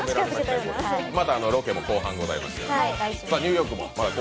またロケも後半ございますので。